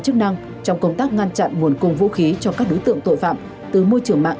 chức năng trong công tác ngăn chặn nguồn cung vũ khí cho các đối tượng tội phạm từ môi trường mạng